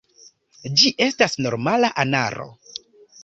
Ĝi estas normala anaro.